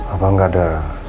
apa enggak ada